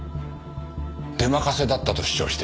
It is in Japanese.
出任せだったと主張して。